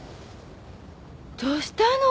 どうしたの？